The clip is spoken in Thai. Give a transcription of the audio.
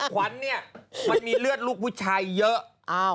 ขวัญเนี่ยมันมีเลือดลูกผู้ชายเยอะ